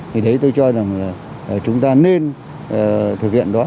thì đấy tôi cho rằng là chúng ta nên thực hiện đó